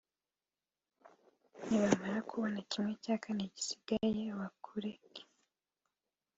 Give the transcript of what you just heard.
nibamara kubona ¼ gisigaye bakureke…